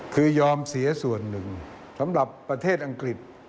คือยอมเสียส่วนหนึ่งสำหรับประเทศอังกฤษ